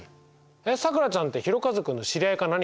さくらちゃんってひろかず君の知り合いか何かなの？